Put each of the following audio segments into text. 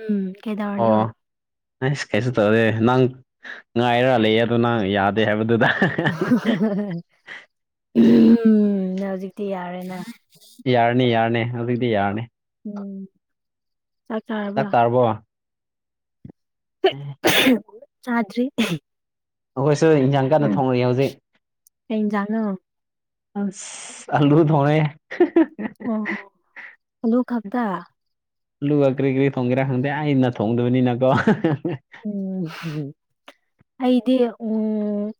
ꯎꯝ ꯀꯦꯗꯧꯔꯤꯅꯣ ꯑꯁ ꯀꯩꯁꯨ ꯇꯧꯗꯦ ꯅꯪ ꯉꯥꯏꯔ ꯂꯩꯌꯦ ꯑꯗꯨꯗꯣ ꯅꯪ ꯌꯥꯗꯦ ꯍꯥꯏꯕꯗꯨꯗ [unintelligible] ꯎꯝ ꯍꯧꯖꯤꯛꯇꯤ ꯌꯥꯔꯦꯅꯥ ꯌꯥꯔꯅꯤ ꯌꯥꯔꯅꯤ ꯍꯧꯖꯤꯛꯇꯤ ꯌꯥꯔꯅꯤ ꯎꯝ [inaudible] ꯆꯥꯛ ꯆꯥꯔꯕ꯭ꯔꯥ ꯎꯝ [inaudible] [inaudible] ꯆꯥꯗ꯭ꯔꯤ ꯑꯩꯈꯣꯏꯁꯨ ꯏꯟꯁꯥꯡ ꯀꯟꯅ ꯎꯝ ꯊꯣꯡꯔꯤ ꯍꯧꯖꯤꯛ ꯀꯩ ꯏꯟꯖꯥꯡꯅꯣ ꯑꯁ ꯑꯂꯨ ꯊꯣꯡꯉꯦ꯫ ꯎꯝ ꯂꯨꯛ ꯈꯛꯇ ꯑꯂꯨꯒ ꯀ꯭ꯔꯤ ꯀ꯭ꯔꯤ ꯊꯣꯡꯒꯦꯔꯥ ꯈꯪꯗꯦ ꯑꯩꯅ ꯊꯣꯡꯗꯕꯅꯤꯅꯀꯣ ꯎꯝꯝ ꯑꯩꯗꯤ ꯎꯝ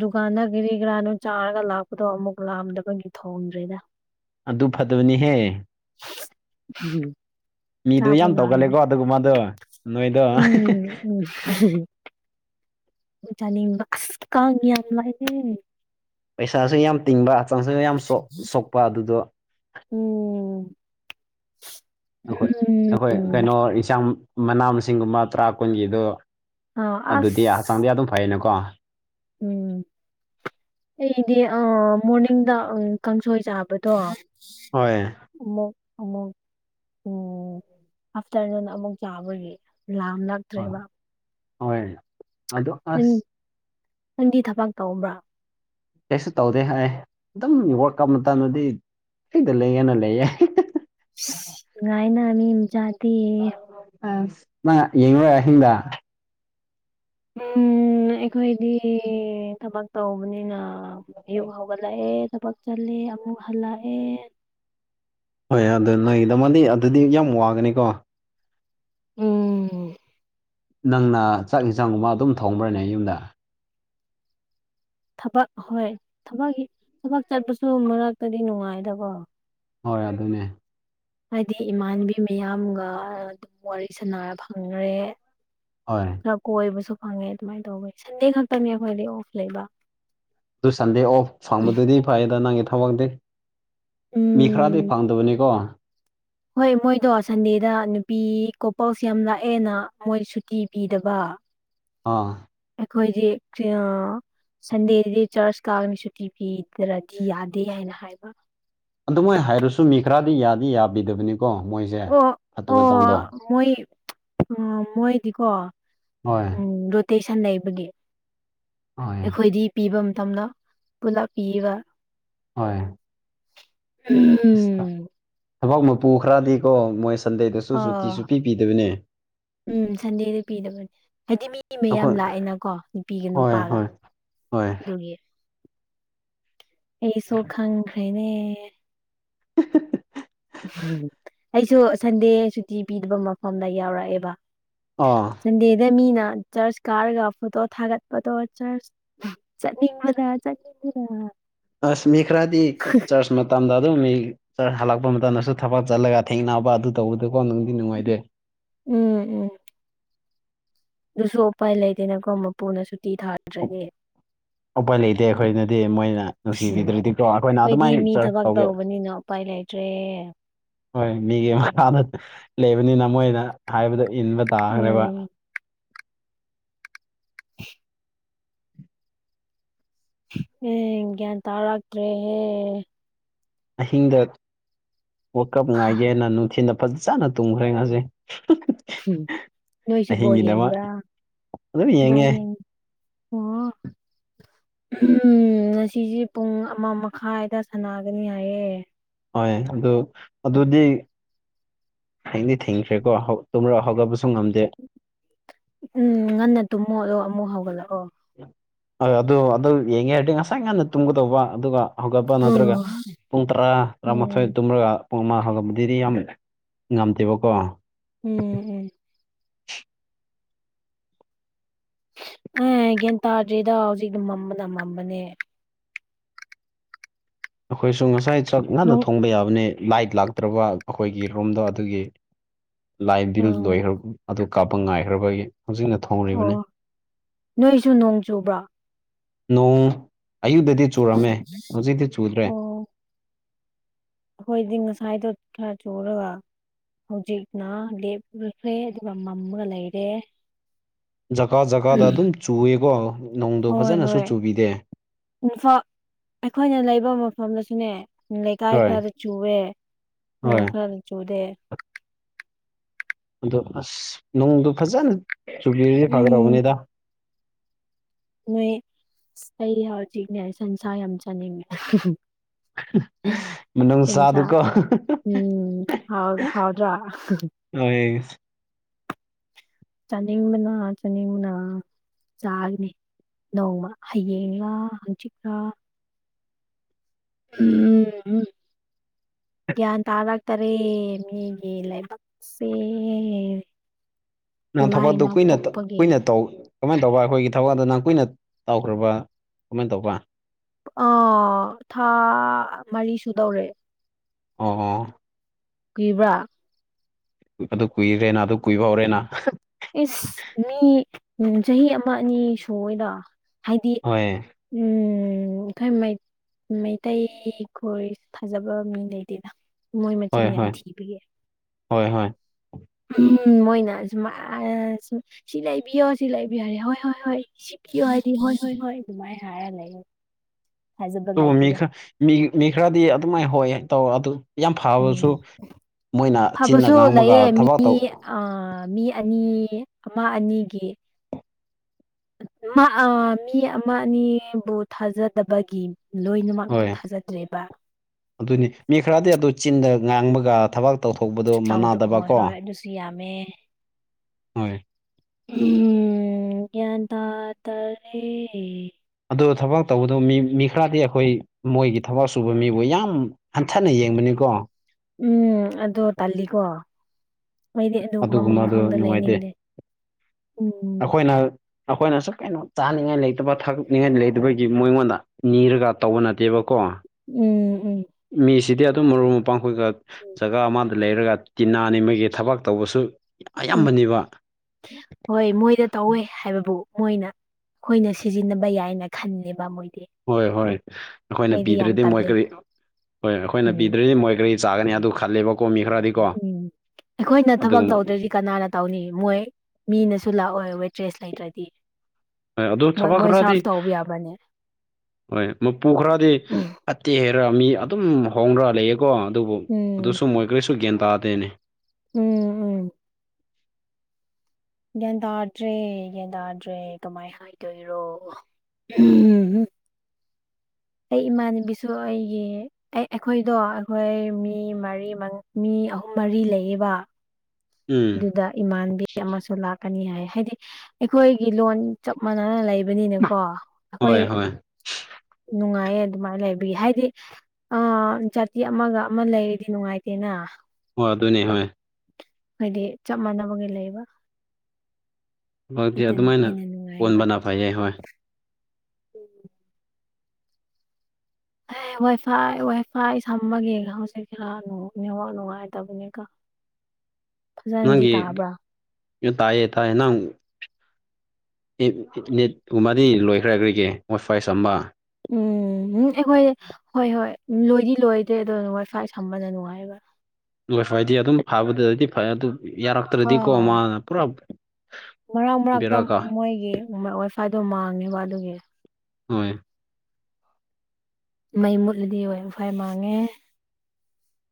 ꯗꯨꯀꯥꯟꯗ ꯒꯤꯔꯤ ꯒ꯭ꯔꯥꯅꯣ ꯆꯥꯔꯒ ꯂꯥꯛꯄꯗꯣ ꯑꯃꯨꯛ ꯂꯥꯛꯑꯝꯗꯕꯒꯤ ꯊꯣꯡꯗ꯭ꯔꯤꯗ ꯑꯗꯨ ꯐꯠꯇꯕꯅꯤꯍꯦ ꯎꯝ [unintelligible] ꯃꯤꯗꯣ ꯌꯥꯝ ꯂꯥꯛꯑꯝꯗꯦ ꯇꯧꯒꯜꯂꯦꯀꯣ ꯑꯗꯨꯒꯨꯝꯕꯗꯣ ꯅꯣꯏꯗꯣ ꯎꯝ ꯎꯝ ꯆꯥꯅꯤꯡꯕ ꯎꯁ ꯀꯥꯡ ꯌꯥꯝ ꯂꯥꯛꯏꯍꯦ ꯄꯩꯁꯥꯁꯨ ꯌꯥꯝ ꯇꯤꯡꯕ ꯍꯛꯆꯥꯡꯁꯨ ꯌꯥꯝ ꯁꯣꯛ ꯁꯣꯛꯄ ꯑꯗꯨꯗꯣ ꯎꯝ ꯑꯩꯈꯣꯏ ꯑꯩꯈꯣꯏ ꯎꯝ ꯀꯩꯅꯣ ꯏꯟꯁꯥꯡ ꯃꯅꯥ ꯃꯁꯤꯡꯒꯨꯝꯕ ꯇ꯭ꯔꯥ ꯀꯨꯟꯒꯤꯗꯣ ꯑꯥ ꯑꯗꯨꯗꯤ ꯑꯁ ꯍꯛꯆꯥꯡꯗꯤ ꯑꯗꯨꯝ ꯐꯩꯌꯦꯅꯀꯣ ꯎꯝ ꯑꯩꯗꯤ ꯑ ꯃꯣꯔꯅꯤꯡꯗ ꯑꯪ ꯀꯥꯡꯁꯣꯏ ꯆꯥꯕꯗꯣ ꯍꯣꯏ ꯎꯃꯛ ꯑꯃꯛ ꯎꯝ ꯑꯥꯐꯇꯔꯅꯨꯟ ꯑꯃꯨꯛ ꯆꯥꯕꯒꯤ ꯂꯥꯝꯂꯛ ꯍ ꯍꯣꯏ ꯑꯗꯣ ꯅꯪ ꯑꯁ ꯅꯪꯗꯤ ꯊꯕꯛ ꯇꯧꯕ꯭ꯔꯥ ꯀꯩꯁꯨ ꯇꯧꯗꯦ ꯑꯩ ꯑꯗꯨꯝ ꯋꯛ ꯀꯞ ꯃꯇꯝꯗꯗꯤ ꯐꯤꯔꯗ ꯂꯩꯑꯦꯅ ꯂꯩꯌꯦ ꯅꯨꯡꯉꯥꯏꯅ ꯃꯤ ꯃꯆꯥ ꯑꯁ ꯅꯪ ꯌꯦꯡꯉꯔꯣꯏ ꯑꯍꯤꯡꯗ ꯎꯝ ꯑꯩꯈꯣꯏꯗꯤ ꯊꯕꯛ ꯇꯧꯕꯅꯤꯅ ꯑꯌꯨꯛ ꯍꯧ ꯍꯧꯒꯠꯂꯛꯑꯦ ꯊꯕꯛ ꯆꯠꯂꯦ ꯑꯃꯨꯛ ꯍꯜꯂꯛ ꯑꯦ ꯍꯣꯏ ꯑꯗꯨ ꯅꫭꯏꯒꯤꯗꯃꯛꯇꯤ ꯑꯗꯨꯗꯤ ꯌꯥꯝ ꯋꯥꯒꯅꯤꯀꯣ ꯎꯝ ꯅꯪꯅ ꯆꯥꯛ ꯏꯟꯖꯥꯡꯒꯨꯝꯕ ꯑꯗꯨꯝ ꯊꯣꯡꯕ꯭ꯔꯅꯦ ꯌꯨꯝꯗ ꯊꯕꯛ ꯍꯣꯏ ꯊꯕꯛ ꯊꯕꯛ ꯆꯠꯄꯁꯨ ꯃꯔꯛꯇꯗꯤ ꯅꯨꯡꯉꯥꯏꯗꯀꫭ ꯍꯣꯏ ꯑꯗꯨꯅꯦ ꯍꯥꯏꯗꯤ ꯏꯃꯥꯟꯅꯕꯤ ꯃꯌꯥꯝꯒ ꯑꯗꯨꯝ ꯋꯥꯔꯤ ꯁꯥꯟꯅꯔ ꯐꯪꯒ꯭ꯔꯦ ꯍꯣꯏ ꯀꯣꯏꯕꯁꯨ ꯐꯪꯉꯦ ꯑꯗꯨꯃꯥꯏꯅ ꯇꯧꯕ ꯁꯟꯗꯦ ꯈꯛꯇꯅꯦ ꯑꯩꯈꯣꯏꯗꯤ ꯑꯣꯐ ꯂꯩꯕ ꯑꯗꯨ ꯁꯟꯗꯦ ꯑꯣꯐ ꯐꯪꯕꯗꯨꯗꯤ ꯐꯩꯌꯦꯗ ꯅꯪꯒꯤ ꯊꯕꯛꯗꯤ ꯃꯤ ꯎꯝ ꯈꯔꯗꯤ ꯐꯪꯗꯕꯅꯤꯀꯣ ꯍꯣꯏ ꯃꯣꯏꯗꯣ ꯁꯟꯗꯦꯗ ꯅꯨꯄꯤ ꯀꯣꯄꯜꯁ ꯌꯥꯝ ꯂꯥꯛꯑꯦꯅ ꯃꯣꯏ ꯁꯨꯇꯤ ꯄꯤꯗꯕ ꯑ ꯑꯩꯈꯣꯏꯗꯤ ꯁꯟꯗꯦꯗꯗꯤ ꯆ꯭ꯔꯆ ꯀꯥꯕꯒꯤ ꯁꯨꯇꯤ ꯄꯤꯗ꯭ꯔꯗꯤ ꯌꯥꯗꯦ ꯍꯥꯏꯅ ꯍꯥꯏꯕ ꯑꯗꯨꯃꯥꯏ ꯍꯥꯏꯔꯁꯨ ꯃꯤ ꯈꯔꯗꯤ ꯌꯥꯗꯤ ꯌꯥꯕꯤꯗꯕꯅꯤ ꯀꫭ ꯃꯣꯏꯖꯦ ꯑꯣ ꯑꯣ ꯃꯣꯏ ꯃꯣꯏꯗꯤꯀꯣ ꯍꯣꯏ ꯎꯝ ꯔꯣꯇꯦꯁꯟ ꯂꯩꯕꯒꯤ ꯍꯣꯏ ꯑꯩꯈꯣꯏꯗꯤ ꯄꯤꯕ ꯃꯇꯝꯗ ꯄꯨꯂꯞ ꯄꯤꯌꯦꯕ ꯍꯣꯏ ꯑꯁ ꯎꯝ ꯊꯕꯛ ꯃꯄꯨ ꯈꯔꯗꯤꯀꯣ ꯃꯣꯏ ꯁꯟꯗꯦꯗꯁꯨ ꯑ ꯁꯨꯇꯤ ꯁꯨꯄꯤ ꯄꯤꯗꯕꯅꯦ ꯎꯝ ꯁꯟꯗꯦꯗ ꯄꯤꯗꯕꯅꯦ ꯍꯥꯏꯗꯤ ꯃꯤ ꯃꯌꯥꯝ ꯑꯩꯈꯣꯏ ꯂꯥꯛꯑꯦꯅꯀꯣ ꯅꯨꯄꯤꯒ ꯍꯣꯏ ꯅꯨꯄꯥꯒ ꯍꯣꯏ ꯍꯣꯏ ꯑꯗꯨꯒꯤ ꯑꯩꯁꯨ ꯈꯪꯈ꯭ꯔꯦꯅꯦ [inaudible] ꯑꯩꯁꯨ ꯁꯟꯗꯦ ꯁꯨꯇꯤ ꯄꯤꯗꯕ ꯃꯐꯝꯗ ꯌꯥꯎꯔꯛꯑꯦꯕ ꯑꯥ ꯁꯟꯗꯦꯗ ꯃꯤꯅ ꯆꯔ꯭ꯆ ꯀꯥꯔꯒ ꯐꯣꯇꯣ ꯊꯥꯒꯠꯄꯗꯣ ꯆꯔ꯭ꯆ ꯆꯠꯅꯤꯡꯕꯅ ꯆꯠꯅꯤꯡꯕꯅ ꯑꯁ ꯃꯤ ꯈꯔꯥꯗꯤ ꯆꯔ꯭ꯆ ꯃꯇꯝꯗ ꯑꯗꯨꯝ ꯃꯤ ꯍꯜꯂꯛꯄ ꯃꯇꯝꯗꯁꯨ ꯊꯕꯛ ꯆꯠꯂꯒ ꯊꯦꯡꯅꯕ ꯑꯗꯨ ꯇꯧꯕꯗꯀꯣ ꯅꯨꯡꯗꯤ ꯅꯨꯡꯉꯥꯏꯇꯦ ꯎꯝ ꯎꯝ ꯑꯗꯨꯁꯨ ꯎꯄꯥꯏ ꯂꯩꯇꯦꯅꯀꯣ ꯃꯄꯨꯅ ꯁꯨꯇꯤ ꯊꯥꯗ꯭ꯔꯗꯤ ꯎꯄꯥꯏ ꯂꯩꯇꯦ ꯑꯩꯈꯣꯏꯅꯗꯤ ꯃꯣꯏꯅ ꯁꯤ ꯅꯨꯡꯁꯤꯕꯤꯗ꯭ꯔꯥꯗꯤꯀꯣ ꯑꯩꯈꯣꯏꯅ ꯑꯩꯈꯣꯏꯗꯤ ꯑꯗꯨꯃꯥꯏꯅ ꯃꯤ ꯆꯔ꯭ꯆ ꯊꯕꯛ ꯇꯧꯒꯦ ꯇꯧꯕꯅꯤꯅ ꯎꯄꯥꯏ ꯂꯩꯥꯇ꯭ꯔꯦ ꯍꯣꯏ ꯃꯤꯒꯤ ꯃꯈꯥꯗ ꯂꯩꯕꯅꯤꯅ ꯃꯣꯏꯅ ꯍꯥꯏꯕꯗꯣ ꯏꯟꯕ ꯇꯥꯈ꯭ꯔꯦꯕ ꯎꯝ [inaudible] ꯎꯝ ꯒ꯭ꯌꯥꯟ ꯇꯥꯔꯛꯇ꯭ꯔꯦꯍꯦ ꯑꯍꯤꯡꯗ ꯋꯥꯜ ꯀꯞ ꯍꯝ ꯉꯥꯏꯒꯦꯅ ꯅꯨꯡꯊꯤꯜꯗ ꯐꯖꯅ ꯇꯨꯝꯈ꯭ꯔꯦ ꯉꯥꯁꯤꯗꯤ ꯅꯣꯏꯁꯨ ꯕꯣꯜ ꯑꯍꯤꯡꯒꯤꯗꯃꯛ ꯌꯦꯡꯕ꯭ꯔꯥ ꯑꯗꯨꯝ ꯕꯣꯜ ꯌꯦꯡꯉꯦ ꯌꯦꯡ [inaudible] ꯎꯝ ꯉꯁꯤꯁꯦ ꯄꯨꯡ ꯑꯃ ꯃꯈꯥꯏꯗ ꯁꯥꯟꯅꯒꯅꯤ ꯍꯥꯏꯌꯦ ꯍꯣꯏ ꯑꯗꯨ ꯑꯗꯨꯗꯤ ꯊꯦꯡꯗꯤ ꯊꯦꯡꯈ꯭ꯔꯦꯀꯣ ꯇꯨꯝꯔ ꯍꯧꯒꯠꯕꯁꯨ ꯉꯝꯗꯦ ꯎꯝ ꯉꯟꯅ ꯇꯨꯝꯃꯣꯂꯣ ꯑꯃꯨꯛ ꯍꯧꯒꯠꯂꯛꯑꯣ ꯍꯣꯏ ꯑꯗꯨ ꯑꯗꯨ ꯌꯦꯡꯉꯦ ꯍꯥꯏꯔꯗꯤ ꯉꯁꯥꯏ ꯉꯟꯅ ꯇꯨꯝꯒꯗꯧꯕ ꯑꯗꯨꯒ ꯍꯧꯒꯠꯕ ꯅꯗ꯭ꯔꯒ ꯑꯣ ꯄꯨꯡ ꯇꯔꯥ ꯎꯝ ꯇꯔꯥꯃꯥꯊꯣꯢꯗ ꯇꯨꯝꯃꯥꯒ ꯄꯨꯡ ꯑꯃ ꯍꯪꯂꯛꯄꯗꯤꯗꯤ ꯌꯥꯝ ꯉꯝꯗꯦꯕꯀꯣ ꯎꯝ ꯎꯝ ꯒ꯭ꯌꯥꯟ ꯇꯥꯗ꯭ꯔꯤꯗ ꯍꯧꯖꯤꯛ ꯃꯝꯕꯅ ꯃꯝꯕꯅꯦ ꯑꯩꯈꯣꯏꯁꯨ ꯉꯁꯥꯏ ꯆꯥꯛ ꯉꯟꯅ ꯅꯣꯡ ꯊꯣꯡꯕ ꯌꯥꯕꯅꯤ ꯂꯥꯏꯠ ꯂꯥꯛꯇ꯭ꯔꯕ ꯑꯩꯈꯣꯏꯒꯤ ꯔꯣꯝꯗꯣ ꯑꯗꯨꯒꯤ ꯂꯥꯏ ꯕꯤꯜ ꯎꯝ ꯂꯣꯏꯈ꯭ꯔꯥꯕ ꯑꯗꯨ ꯀꯥꯞꯄ ꯉꯥꯏꯈ꯭ꯔꯕꯒꯤ ꯍꯧꯖꯤꯛꯅ ꯑꯣ ꯊꯧꯔꯤꯕꯅꯦ ꯅꯣꯏꯁꯨ ꯅꯣꯡ ꯆꯨꯕ꯭ꯔꯣ ꯅꯣꯡ ꯑꯌꯨꯛꯗꯗꯤ ꯆꯨꯔꯝꯃꯦ ꯍꯧꯖꯤꯛꯇꯛꯇꯤ ꯆꯨꯗ꯭ꯔꯦ ꯑꯣ ꯑꯩꯈꯣꯏꯗꯤ ꯉꯁꯥꯏꯗꯣ ꯈꯔ ꯆꯨꯔꯒ ꯍꯧꯖꯤꯛꯅ ꯂꯦꯞꯂꯈ꯭ꯔꯦ ꯑꯗꯨꯒ ꯃꯝꯃꯥꯒ ꯂꯩꯔꯦ ꯖꯒꯥ ꯖꯒꯥꯗ ꯑꯗꯨꯝ ꯆꯨꯏꯌꯦꯀꯣ ꯅꯣꯡꯗꯣ ꯍꯣꯏ ꯐꯖꯅꯁꯨ ꯍꯣꯏ ꯆꯨꯕꯤꯗꯦ ꯏꯝꯐꯥꯜ ꯑꯩꯈꯣꯏꯅ ꯂꯩꯕ ꯃꯐꯝꯗꯁꯨꯅꯦ ꯂꯩꯀꯥꯏ ꯍꯣꯏ ꯈꯔꯗ ꯆꯨꯋꯦ ꯍꯣꯏ ꯈꯔꯗ ꯆꯨꯗꯦ ꯑꯗꯣ ꯑꯁ ꯅꯣꯡꯗꯣ ꯐꯖꯅ ꯆꯨꯕꯤꯔꯗꯤ ꯎꯝ ꯐꯒꯠꯗꯕꯅꯤꯗ ꯅꯣꯏ ꯑꯩ ꯍꯧꯖꯤꯛꯅꯦ ꯁꯟꯁꯥ ꯌꯥꯝ ꯆꯥꯅꯤꯡꯉꯦ [inaudible] ꯆꯟꯖꯥ ꯅꯨꯡꯁꯥꯗꯨꯀꯣ ꯎꯝ ꯍꯥꯎ ꯍꯥꯎꯗ꯭ꯔꯥ ꯍꯣꯢ ꯆꯅꯤꯡꯕꯅ ꯆꯅꯤꯡꯕꯅ ꯆꯥꯒꯅꯤ ꯅꯣꯡꯃ ꯍꯥꯌꯦꯡꯂꯥ ꯍꯪꯆꯤꯛꯂꯥ ꯎꯝ ꯒ꯭ꯌꯥꯟ ꯇꯥꯔꯛ ꯇꯥꯔꯦ ꯃꯤꯒꯤ ꯂꯥꯏꯕꯛꯁꯦ ꯅꯪ ꯊꯕꯛꯇꯨ ꯂꯥꯏꯅ ꯀꯨꯏꯅ ꯄꯣꯛꯄꯒꯤ ꯀꯨꯏꯅ ꯇꯧ ꯀꯃꯥꯏꯅ ꯇꯧꯕ ꯑꯩꯈꯣꯏꯒꯤ ꯊꯧꯒꯜꯗ ꯅꯪ ꯀꯨꯏꯅ ꯇꯧꯈ꯭ꯔꯕ ꯀꯃꯥꯏꯅ ꯇꯧꯕ ꯑꯣ ꯊꯥ ꯃꯔꯤꯁꯨ ꯗꯧꯔꯦ ꯑꯣ ꯑꯣ ꯀꯤꯕ꯭ꯔꯥ ꯑꯗꯨ ꯀꯨꯏꯈꯔꯦꯅ ꯑꯗꯨ ꯀꯨꯏꯕ ꯍꯧꯔꯦꯅ ꯏꯁ ꯃꯤ ꯎ ꯆꯍꯤ ꯑꯃ ꯑꯅꯤ ꯁꯨꯋꯦꯗ ꯍꯥꯏꯗꯤ ꯍꯣꯏ ꯎꯝ ꯎꯝ ꯑꯩꯈꯣꯏ ꯃꯩꯇꯩ ꯈꯣꯏ ꯊꯥꯖꯕ ꯃꯤ ꯂꯩꯗꯦꯗ ꯃꯣꯏ ꯃꯆꯦ ꯍꯣꯏ ꯌꯥꯝ ꯍꯣꯏ ꯊꯤꯕꯒꯤ ꯍꯣꯏ ꯍꯣꯏ ꯃꯣꯏꯅ ꯑꯨꯝ ꯑ ꯁꯤ ꯂꯩꯕꯤꯌꯣ ꯁꯤ ꯂꯩꯕꯤꯔ ꯍꯣꯏ ꯍꯣꯏ ꯍꯣꯏ [unintelligible] ꯍꯥꯏꯗꯤ ꯍ ꯍꯣꯏ ꯍꯣꯏ ꯑꯗꯨꯃꯥꯏ ꯍꯔ ꯂꯩ ꯑꯗꯨꯕꯨ ꯃꯤꯔ ꯃꯤ ꯈꯔꯗꯤ ꯑꯗꯨꯃꯥꯏꯅ ꯍꯣꯏ ꯇꯧꯔ ꯑꯗꯨ ꯌꯥꯝ ꯐꯕꯁꯨ ꯎꯝ ꯃꯣꯏꯅ ꯆꯤꯟꯅ ꯉꯥꯡꯕꯒ ꯊꯕꯥꯛ ꯇꯧ ꯑ ꯃꯤ ꯑꯅꯤ ꯑꯃ ꯑꯅꯤꯒꯤ ꯃꯤ ꯑꯃ ꯑꯅꯤꯕꯨ ꯊꯥꯖꯗꯕꯒꯤ ꯂꯣꯏꯅꯃꯛꯄꯨ ꯍꯣꯏ ꯊꯥꯖꯗ꯭ꯔꯦꯕ ꯑꯗꯨꯅꯤ ꯃꯤ ꯈꯔꯗꯤ ꯑꯗꯨ ꯆꯤꯟꯗ ꯉꯥꯡꯕꯒ ꯊꯕꯛ ꯇꯧꯊꯣꯛꯄꯗꯣ ꯆꯧꯗꯣ ꯃꯅꯥꯗꯕ ꯍꯣꯏ ꯀꯣ ꯍꯣꯏ ꯑꯗꯨꯁꯨ ꯌꯥꯝꯃꯦ ꯍꯣꯏ ꯒꯤꯌꯥ꯭ꯟ ꯇ ꯇꯔꯦ ꯑꯗꯨ ꯊꯕꯛ ꯇꯧꯕꯗꯣ ꯃꯤ ꯃꯤ ꯈꯔꯗꯤ ꯑꯩꯈꯣꯏ ꯃꯣꯏꯒꯤ ꯊꯕꯛ ꯁꯨꯕ ꯃꯤꯕꯨ ꯌꯥꯝ ꯍꯟꯊꯅ ꯌꯦꯡꯕꯅꯤꯀꯣ ꯎꯝ ꯑꯗꯣ ꯇꯜꯂꯤꯀꯣ ꯃꯩꯗꯤ ꯑꯗꯨ ꯃꯃꯝ ꯑꯗꯨꯒꯨꯝꯕꯗꯣ ꯃꯐꯝꯗ ꯅꯨꯡꯉꯥꯏꯇꯦ ꯂꯩꯅꯤꯡꯗꯦ ꯎꯝ ꯑꯩꯈꯣꯏꯅ ꯑꯩꯈꯣꯏꯅꯁꯨ ꯀꯩꯅꯣ ꯆꯥꯅꯤꯡꯉꯥꯏ ꯂꯩꯇꯕ ꯊꯒꯛꯅꯤꯡꯉꯥꯏ ꯂꯩꯇꯕꯒꯤ ꯃꯉꯣꯟꯗ ꯅꯤꯔꯒ ꯇꯧꯕ ꯅꯠꯇꯦꯕꯀꯣ ꯎꯝ ꯎꯝ ꯎꯝ ꯃꯤꯁꯤꯗꯤ ꯑꯗꯨꯝ ꯃꯔꯨꯞ ꯃꯄꯥꯡ ꯑꯣꯏꯒ ꯖꯒꯥ ꯑꯃꯗ ꯂꯩꯔꯒ ꯇꯤꯅꯥ ꯅꯤꯃꯒꯤ ꯊꯕꯛ ꯇꯧꯕꯁꯨ ꯎꯝ ꯑꯌꯥꯝꯕꯅꯦꯕ ꯍꯣꯏ ꯃꯣꯏꯗ ꯇꯧꯋꯦ ꯍꯥꯏꯕꯕꯨ ꯃꯣꯏꯅ ꯑꯩꯈꯣꯏꯅ ꯁꯤꯖꯤꯟꯅꯕ ꯌꯥꯏꯅ ꯈꯜꯂꯦꯕ ꯃꯣꯏꯗꯤ ꯍꯣꯏ ꯍꯣꯏ ꯑꯩꯈꯣꯏꯅ ꯑꯩꯗꯤ ꯌꯥꯝ ꯄꯤꯗ꯭ꯔꯗꯤ ꯃꯣꯏ ꯇꯜꯂꯤ ꯀꯔꯤ ꯍꯣꯏ ꯑꯩꯈꯣꯏꯅ ꯎꯝ ꯄꯤꯗ꯭ꯔꯗꯤ ꯃꯣꯏ ꯀꯔꯤ ꯆꯥꯒꯅꯤ ꯑꯗꯨ ꯈꯜꯂꯦꯕ ꯀꯣ ꯃꯤ ꯈꯔꯗꯤ ꯎꯝ ꯑꯩꯈꯣꯏꯅ ꯊꯕꯛ ꯇꯧꯗ꯭ꯔꯗꯤ ꯀꯅꯥꯅ ꯇꯧꯅꯤ ꯃꯣꯏ ꯃꯤꯅꯁꯨ ꯂꯥꯛꯑꯣꯏ ꯋꯦꯇ꯭ꯔꯦꯁ ꯂꯩꯇ꯭ꯔꯗꯤ ꯍ ꯑꯗꯨ ꯃꯣꯏ ꯊꯕꯛ ꯃꯣꯏ ꯈꯔꯗꯤ ꯁꯥꯔꯐ ꯇꯧꯕ ꯌꯥꯕ꯭ꯔꯅꯦ ꯍꯣꯏ ꯃꯄꯨ ꯈꯔꯗꯤ ꯑꯠꯇꯦ ꯍꯥꯏꯔ ꯃꯤ ꯑꯗꯨꯝ ꯍꯣꯡꯅ꯭ꯔ ꯂꯩ ꯀꯣ ꯑꯗꯨꯕꯨ ꯎꯝ ꯑꯗꯨꯁꯨ ꯃꯣꯏ ꯀꯔꯤꯁꯨ ꯒ꯭ꯌꯥꯟ ꯇꯥꯗꯦꯅꯦ ꯎꯝ ꯎꯝ ꯒ꯭ꯌꯥꯟ ꯇꯥꯗ꯭ꯔꯦ ꯒ꯭ꯌꯥꯟ ꯇꯥꯗ꯭ꯔꯦ ꯀꯃꯥꯏ ꯍꯥꯏꯗꯣꯏꯔꯣ ꯑꯩ ꯏꯃꯥꯟꯅꯕꯤꯁꯨ ꯑꯩꯒꯤ ꯑꯦ ꯑꯩꯈꯣꯏꯗꯣ ꯑꯩꯈꯣꯏ ꯃꯤ ꯃꯔꯤ ꯃꯤ ꯑꯍꯨꯝ ꯃꯔꯤ ꯂꯩꯌꯦꯕ ꯎꯝ ꯑꯗꯨꯗ ꯏꯃꯥꯟꯕꯤ ꯑꯃꯁꯨ ꯂꯥꯛꯀꯅꯤ ꯍꯥꯏ ꯍꯥꯏꯗꯤ ꯑꯩꯈꯣꯏꯒꯤ ꯂꯣꯟ ꯆꯞ ꯃꯥꯟꯅꯅ ꯂꯩꯕ ꯕꯅꯤꯅꯀꯣ ꯑꯩꯈꯣꯏ ꯍꯣꯏ ꯍꯣꯏ ꯅꯨꯡꯉꯥꯏꯌꯦ ꯑꯗꯨꯃꯥꯏꯅ ꯂꯩꯕꯒꯤ ꯍꯥꯏꯗꯤ ꯑꯥ ꯖꯥꯇꯤ ꯑꯃꯒ ꯑꯃ ꯂꯩꯔꯗꯤ ꯅꯨꯡꯉꯥꯏꯇꯦꯅ ꯑꯣ ꯑꯗꯨꯅꯦ ꯍꯣꯏ ꯍꯥꯏꯗꯤ ꯆꯞ ꯃꯥꯟꯅꯕꯒꯤ ꯂꯩꯕ ꯅꯣꯏꯗꯤ ꯑꯗꯨꯅ ꯑꯗꯨꯃꯥꯏꯅ ꯍꯦꯟꯅ ꯅꯨꯡꯉꯥꯏꯌꯦꯕ ꯀꯣꯟꯕꯅ ꯐꯩꯌꯦ ꯍꯣꯏ ꯑꯦ ꯋꯥꯏ ꯐꯥꯏ ꯋꯥꯏ ꯐꯥꯏ ꯁꯝꯕꯒꯤ ꯍꯧꯖꯤꯛ ꯈꯔ ꯅꯦꯠꯋꯥꯛ ꯅꯨꯡꯉꯥꯏꯇꯕꯅꯤꯀꯣ ꯐꯖꯅꯗꯤ ꯅꯪꯒꯤ ꯇꯥꯕ꯭ꯔꯥ ꯇꯥꯏꯌꯦ ꯇꯥꯏꯌꯦ ꯅꯪ ꯏꯟ ꯅꯦꯠꯄꯨꯃꯔꯤ ꯂꯣꯏꯈ꯭ꯔꯦ ꯍꯥꯏꯕꯒꯤ ꯋꯥꯏ ꯐꯥꯏ ꯥꯁꯝꯕ ꯎꯝ ꯎꯝ ꯑꯩꯈꯣꯏ ꯍꯣꯏ ꯍꯣꯏ ꯎꯝ ꯂꯣꯏꯗꯤ ꯂꯣꯏꯗꯦ ꯑꯗꯣ ꯋꯥꯏ ꯐꯥꯏ ꯁꯝꯕꯅ ꯅꯨꯡꯉꯥꯏꯌꯦꯕ ꯍꯣꯏ ꯐꯣꯏꯗꯤ ꯑꯗꯨꯝ ꯐꯥꯕꯗꯗꯤ ꯐꯩ ꯑꯗꯨ ꯌꯥꯔꯛꯇ꯭ꯔꯗꯤꯀꯣ ꯑꯥꯎ ꯃꯥꯅ ꯄꯨꯔꯥ ꯃꯔꯛ ꯃꯔꯛꯇ ꯕꯦꯔꯥ ꯀꯥ ꯃꯣꯏꯒꯤ ꯋꯥꯏꯐꯥꯏꯗꯣ ꯃꯥꯡꯉꯦꯕ ꯑꯗꯨꯒꯤ ꯍꯣꯏ ꯃꯩ ꯃꯨꯠꯂꯗꯤ ꯋꯥꯏ ꯐꯥꯏ ꯃꯥꯡꯉꯦ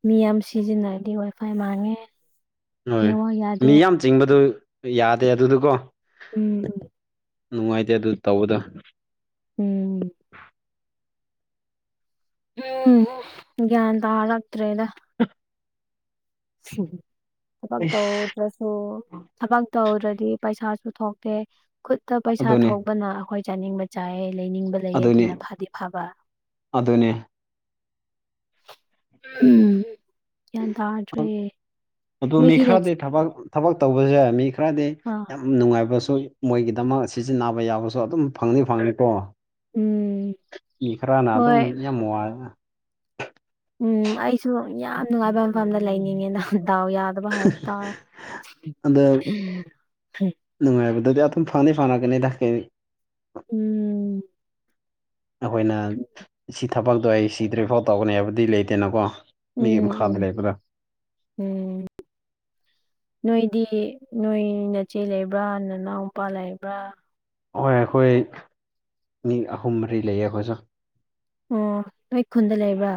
ꯃꯤ ꯌꯥꯝ ꯁꯤꯖꯤꯟꯅꯔꯗꯤ ꯋꯥꯏ ꯐꯥꯏ ꯃꯥꯡꯉꯦ ꯍꯣꯏ ꯅꯦꯠꯋꯥꯛ ꯃꯤ ꯌꯥꯗꯦ ꯌꯥꯝ ꯆꯤꯡꯕꯗꯨ ꯌꯥꯗꯦ ꯑꯗꯨꯗꯣꯀꯣ ꯎꯝ ꯅꯨꯡꯉꯥꯏꯇꯦ ꯑꯗꯨ ꯇꯧꯕꯗꯣ ꯎꯝ ꯎꯝ ꯒ꯭ꯌꯥꯟ ꯇꯥꯔꯛꯇ꯭ꯔꯦꯗ [inaudible] [unintelligible] ꯊꯥꯕꯛ ꯇꯧꯋꯣ ꯁꯤꯗꯁꯨ ꯊꯕꯛ ꯇꯧꯗ꯭ꯔꯗꯤ ꯄꯩꯁꯥꯁꯨ ꯊꯣꯛꯇꯦ ꯈꯨꯠꯇ ꯄꯩꯁꯥ ꯑꯗꯨꯅꯦ ꯊꯣꯛꯄꯅ ꯑꯩꯈꯣꯏ ꯆꯥꯅꯤꯡꯕ ꯆꯥꯏꯌꯦ ꯂꯩꯅꯤꯡꯕ ꯂꯩꯩꯌꯦ ꯑꯗꯨꯅꯦ ꯑꯗꯨꯅ ꯐꯥꯗꯤ ꯐꯥꯕ ꯑꯗꯨꯅꯦ ꯎꯝ ꯒ꯭ꯌꯥꯟ ꯇ ꯑꯗꯨ ꯃꯤ ꯈꯔꯗꯤ ꯊꯕꯛ ꯊꯕꯛ ꯇꯧꯕꯁꯦ ꯃꯤ ꯈꯔꯗꯤ ꯑꯥ ꯌꯥꯝ ꯅꯨꯡꯉꯥꯏꯕꯁꯨ ꯃꯣꯏꯒꯤꯗꯃꯛ ꯁꯤꯖꯤꯟꯅꯕ ꯌꯥꯕꯁꯨ ꯑꯗꯨꯝ ꯐꯪꯗꯤ ꯐꯪꯅꯤꯀꯣ ꯎꯝ ꯃꯤ ꯈꯔꯥꯅ ꯑꯗꯨꯝ ꯍꯣꯏ ꯌꯥꯝ ꯋꯥꯏ ꯎꯝ ꯑꯩꯁꯨ ꯌꯥꯝ ꯅꯨꯡꯉꯥꯏꯕ ꯃꯐꯝꯗ ꯂꯩꯅꯤꯡꯉꯦꯅ ꯑꯗꯣ ꯗꯥꯎ ꯌꯥꯗꯕ ꯍꯥꯏꯕ ꯇꯥꯔꯦ ꯑꯗ ꯍꯝ [unintelligible] ꯅꯨꯡꯉꯥꯏꯕꯗꯨꯗꯤ ꯑꯗꯨꯝ ꯐꯪꯗꯤ ꯐꯪꯉꯛꯀꯅꯤ ꯀꯩ ꯎꯝ ꯑꯩꯈꯣꯏꯅ ꯁꯤ ꯊꯕꯛꯇꯣ ꯑꯩ ꯁꯤꯗ꯭ꯔꯤꯐꯥꯎ ꯇꯧꯒꯅꯤ ꯍꯥꯏꯕꯗꯤ ꯂꯩꯇꯦꯅꯀꯣ ꯃꯤꯒꯤ ꯎꯝ ꯃꯈꯥꯗ ꯎꯝ ꯂꯩꯕꯗꯣ ꯎꯝ ꯅꯣꯏꯗꯤ ꯅꯣꯏ ꯅꯥꯆꯦ ꯂꯩꯕ꯭ꯔꯥ ꯅꯥꯅꯥꯎꯄꯥ ꯂꯩꯕ꯭ꯔꯥ ꯍꯣꯏ ꯑꯩꯈꯣꯏ ꯃꯤ ꯑꯍꯨꯝ ꯃꯔꯤ ꯂꯩꯌꯦ ꯑꯩꯈꯣꯏꯁꯨ ꯎꯝ ꯅꯣꯏ ꯈꯨꯟꯗ ꯂꯩꯕ꯭ꯔꯥ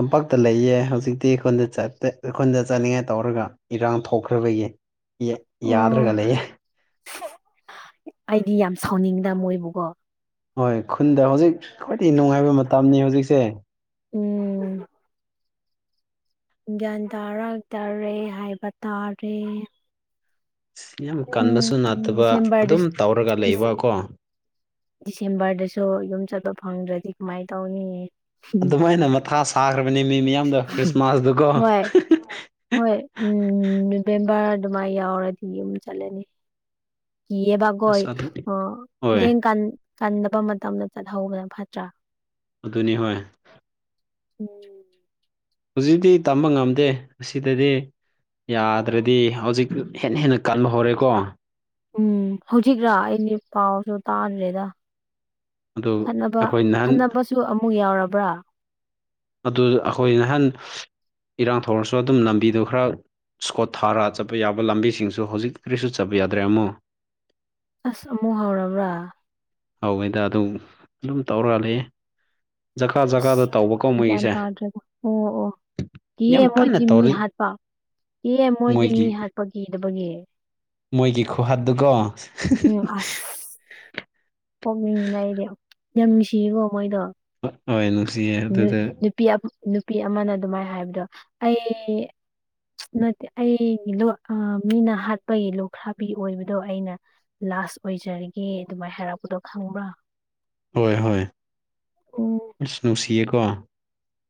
ꯇꯝꯄꯥꯛꯇ ꯂꯩꯌꯦ ꯍꯧꯖꯤꯛꯇꯤ ꯈꯨꯟꯗ ꯆꯠꯇꯦ ꯈꯨꯟꯗ ꯆꯠꯅꯤꯡꯉꯥꯏ ꯇꯧꯔꯒ ꯏꯔꯥꯡ ꯊꯣꯛꯈ꯭ꯔꯕꯒꯤ ꯑꯣ ꯌꯥꯗ꯭ꯔꯒ ꯂꯩꯌꯦ ꯑꯩꯗꯤ ꯌꯥꯝ ꯁꯥꯎꯅꯤꯡꯗ ꯃꯣꯏꯕꯨꯀꯣ ꯍꯣꯏ ꯈꯨꯟꯗ ꯍꯧꯖꯤꯛ ꯈ꯭ꯋꯥꯏꯗꯒꯤ ꯅꯨꯡꯉꯥꯏꯕ ꯃꯇꯝꯅꯦ ꯍꯧꯖꯤꯛꯁꯦ ꯎꯝ ꯒ꯭ꯌꯥꯟ ꯇꯥꯔꯛꯇꯔꯦ ꯍꯥꯏꯕ ꯇꯥꯔꯦ ꯌꯥꯝ ꯎꯝ ꯀꯟꯕꯁꯨ ꯅꯠꯇꯕ ꯗꯤꯁꯦꯝꯕꯔꯗ ꯑꯗꯨꯝ ꯇꯧꯔꯒ ꯂꯩꯕꯀꯣ ꯗꯤꯁꯦꯝꯕꯔꯗꯁꯨ ꯌꯨꯝ ꯆꯠꯄ ꯐꯪꯗ꯭ꯔꯗꯤ ꯀꯃꯥꯏꯅ ꯇꯧꯅꯤ ꯑꯗꯨꯃꯥꯏꯅ ꯃꯊꯥ ꯁꯥꯈ꯭ꯔꯕꯅꯤ ꯃꯤ ꯃꯤꯌꯥꯝꯗꯣ ꯈ꯭ꯔꯤꯁꯃꯥꯁꯇꯣꯀꯣ ꯍꯣꯏ ꯍꯣꯏ ꯎꯝ ꯅꯕꯦꯝꯕꯔ ꯑꯗꯨꯃꯥꯏ ꯌꯥꯎꯔꯗꯤ ꯌꯨꯝ ꯆꯠꯂꯅꯤ ꯏꯕꯒꯣꯏ ꯑꯁ ꯑꯗꯨ ꯑ ꯍꯣꯏ ꯏꯔꯡ ꯀꯥꯟ ꯀꯟꯗꯕ ꯃꯇꯝꯗ ꯆꯠꯍꯧꯕꯅ ꯐꯠꯇ꯭ꯔꯥ ꯑꯗꯨꯅꯤ ꯍꯣꯏ ꯎꯝ ꯍꯧꯖꯤꯛꯇꯤ ꯇꯝꯕ ꯉꯝꯗꯦ ꯑꯁꯤꯗꯗꯤ ꯌꯥꯗ꯭ꯔꯗꯤ ꯍꯧꯖꯤꯛ ꯍꯦꯟꯅ ꯍꯦꯟꯅ ꯀꯟꯕ ꯍꯧꯔꯦꯀꯣ ꯎꯝ ꯍꯧꯖꯤꯛꯔꯥ ꯑꯩꯗꯤ ꯄꯥꯎꯁꯨ ꯇꯥꯗ꯭ꯔꯦꯗ ꯑꯗꯨ ꯈꯠꯅꯕ ꯑꯩꯈꯣꯏ ꯅꯍꯥꯟ ꯈꯠꯅꯕꯁꯨ ꯑꯃꯨꯛ ꯌꯥꯎꯔꯕ꯭ꯔꯥ ꯑꯗꯨ ꯑꯩꯈꯣꯏ ꯅꯍꯥꯟ ꯏꯔꯥꯡ ꯊꯧꯔꯁꯨ ꯑꯗꯨꯝ ꯂꯝꯕꯤꯗꯣ ꯈꯔ ꯁ꯭ꯀꯣꯊꯥꯔꯥ ꯆꯠꯄ ꯌꯥꯕ ꯂꯝꯕꯤꯁꯤꯡꯁꯨ ꯍꯧꯖꯤꯛ ꯀꯔꯤꯁꯨ ꯆꯠꯄ ꯌꯥꯗ꯭ꯔꯦ ꯑꯃꯃꯣꯛ ꯑꯁ ꯑꯃꯨꯛ ꯍꯧꯔꯕ꯭ꯔꯥ ꯍꯋꯦꯗ ꯑꯗꯨ ꯑꯗꯨꯝ ꯇꯧꯔ ꯂꯩ ꯖꯒꯥ ꯖꯒꯥꯗ ꯑꯁ ꯇꯧꯕ ꯒ꯭ꯌꯥꯟ ꯇꯥꯗ꯭ꯔꯒ ꯑꯣ ꯑꯣ ꯌꯦ ꯌꯥꯝ ꯀꯟꯅ ꯃꯣꯏꯗꯤ ꯃꯤ ꯇꯧꯔꯤ ꯍꯥꯠꯄ ꯏ ꯃꯣꯏꯗꯤ ꯃꯣꯏꯒꯤ ꯃꯤ ꯍꯥꯠꯄ ꯀꯤꯗꯕꯒꯤ ꯃꯣꯏꯒꯤ ꯈꯨꯍꯥꯠꯗꯨꯨꯀ‌ꯣ ꯑꯁ ꯄꯣꯛꯅꯤꯡꯉꯅ ꯑꯩꯗꯤ ꯌꯥꯝ ꯅꯨꯡꯁꯤꯌꯦꯀꯣ ꯃꯣꯏꯗꯣ ꯍꯣꯏ ꯅꯨꯡꯁꯤꯌꯦ ꯅꯨ ꯑꯗꯨꯗ ꯅꯨꯄꯤ ꯅꯨꯄꯤ ꯑꯃꯅ ꯑꯗꯨꯃꯥꯏꯅ ꯍꯥꯏꯕꯗꯣ ꯑꯩ ꯅꯠꯇꯦ ꯑꯩꯒꯤ ꯑ ꯃꯤꯅ ꯍꯥꯠꯄꯒꯤ ꯂꯣꯛꯈ꯭ꯔꯥꯕꯤ ꯑꯣꯏꯕꯗꯣ ꯑꯩꯅ ꯂꯥꯁ ꯑꯣꯏꯖꯔꯒꯦ ꯑꯗꯨꯃꯥꯏꯅ ꯍꯥꯏꯔꯛꯄꯗꯣ ꯈꯪꯕ꯭ꯔꯥ ꯍꯣꯏ ꯍꯣꯏ ꯑꯁ ꯅꯨꯡꯁꯤꯌꯦꯀꯣ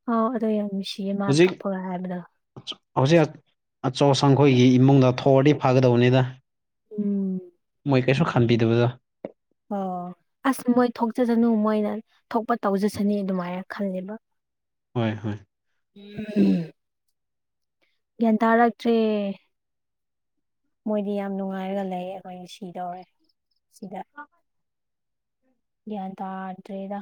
ꯑ ꯑꯗꯣ ꯌꯥꯝ ꯅꯨꯡꯁꯤꯌꯦ ꯃꯥ ꯍꯧꯖꯤꯛ ꯀꯞꯄꯒ ꯍꯥꯏꯕꯗꯣ ꯍꯧꯖꯤꯛ ꯑꯆꯧꯁꯪꯈꯣꯏꯒꯤ ꯏꯃꯨꯡꯗ ꯊꯑꯗꯤ ꯐꯥꯒꯗꯕꯅꯤꯗ ꯎꯝ ꯀꯩꯁꯨ ꯈꯟꯕꯤꯗꯕꯗꯣ ꯑꯣ ꯑꯁ ꯃꯣꯏ ꯊꯣꯛꯆꯁꯅꯨ ꯃꯣꯏꯅ ꯊꯣꯛꯄ ꯇꯧꯖꯁꯅꯤ ꯑꯗꯨꯃꯥꯏꯅ ꯈꯜꯂꯦꯕ ꯍꯣꯏ ꯍꯣꯏ ꯎꯝ ꯒ꯭ꯌꯥꯟ ꯇꯥꯔꯛꯇ꯭ꯔꯦ ꯃꯣꯏꯗꯤ ꯌꯥꯝ ꯅꯨꯡꯉꯥꯏꯔꯒ ꯂꯩ ꯑꯩꯈꯣꯏ ꯁꯤꯗꯧꯔꯦ ꯁꯤꯗ ꯒ꯭ꯌꯥꯟ ꯇꯥꯗ꯭ꯔꯦꯗ